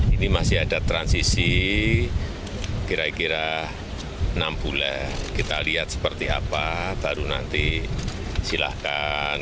ini masih ada transisi kira kira enam bulan kita lihat seperti apa baru nanti silahkan